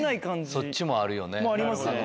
そっちもあるよね。